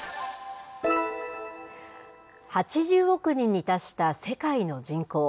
８０億人に達した世界の人口。